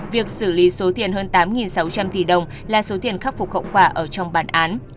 việc xử lý số tiền hơn tám sáu trăm linh tỷ đồng là số tiền khắc phục hậu quả ở trong bản án